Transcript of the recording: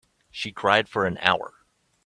She cried for an hour.